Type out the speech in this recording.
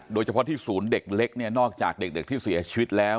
โดยเฉพาะที่ศูนย์เด็กเล็กเนี่ยนอกจากเด็กที่เสียชีวิตแล้ว